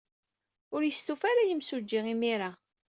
Ur yestufa ara yimsujji imir-a.